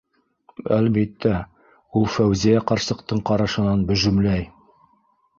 Әлбиттә, ул Фәүзиә ҡарсыҡтың ҡарашынан бөжөмләй.